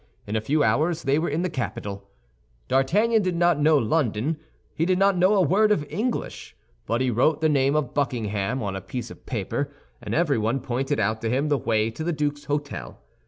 In a few hours they were in the capital. D'Artagnan did not know London; he did not know a word of English; but he wrote the name of Buckingham on a piece of paper, and everyone pointed out to him the way to the duke's hôtel.